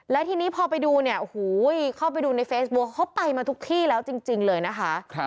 และทีนี้พอไปดูเนี่ยโอ้โหเข้าไปดูในเฟซบุ๊คเขาไปมาทุกที่แล้วจริงเลยนะคะ